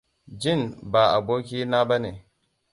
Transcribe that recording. Gin ba aboki na ba ne.